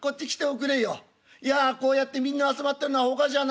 いやこうやってみんな集まってんのはほかじゃないんだ。